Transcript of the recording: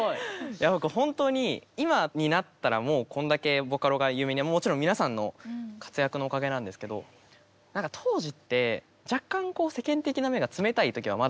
いや僕ほんとに今になったらもうこんだけボカロが有名にもちろん皆さんの活躍のおかげなんですけど何か当時ってああそうですね。